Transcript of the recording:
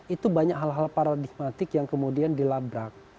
itu banyak hal hal paradigmatik yang kemudian dilabrak